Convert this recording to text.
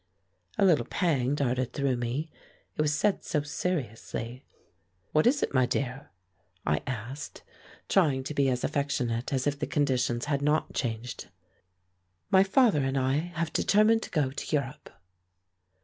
A little pang darted through me. It was said so seriously. "What is it, my dear," I asked, trying to be as affectionate as if the conditions had not changed. "My father and I have determined to go to Europe."